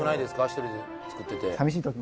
１人で作ってて。